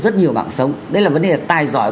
rất nhiều mạng sống đây là vấn đề tài giỏi